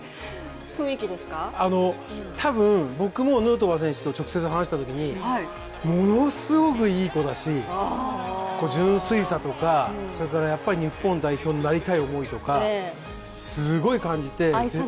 多分、僕もヌートバー選手と直接話したときにものすごくいい子だし、純粋さとか、日本代表になりたい思いとか、すごい感じて。